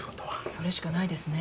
それしかないですね。